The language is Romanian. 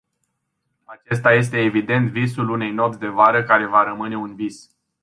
Acesta este evident visul unei nopți de vară care va rămâne un vis.